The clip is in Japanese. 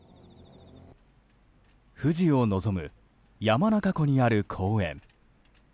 富士を望む山中湖にある公園。